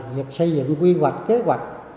việc xây dựng quy hoạch kế hoạch